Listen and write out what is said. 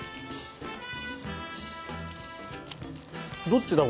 どっちだ？